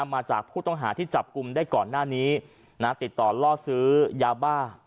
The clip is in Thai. มาจากผู้ต้องหาที่จับกลุ่มได้ก่อนหน้านี้นะติดต่อล่อซื้อยาบ้า